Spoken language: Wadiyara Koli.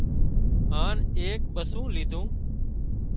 هانَ ايڪ ٻسُون ليڌون